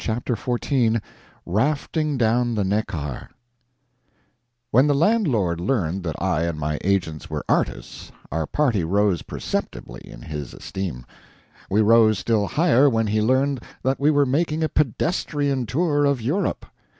CHAPTER XIV [Rafting Down the Neckar] When the landlord learned that I and my agents were artists, our party rose perceptibly in his esteem; we rose still higher when he learned that we were making a pedestrian tour of Europe.